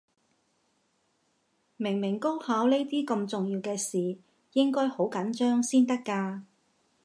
明明高考呢啲咁重要嘅事，應該好緊張先得㗎